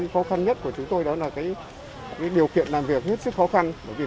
khó khăn nhất của chúng tôi là điều kiện làm việc hết sức khó khăn